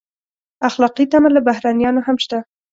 اخلاقي تمه له بهرنیانو هم شته.